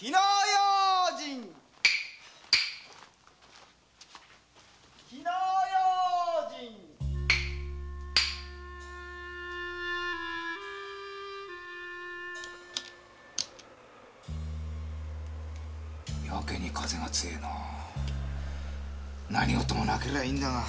やけに風が強いな何事もなけりゃいいんだが。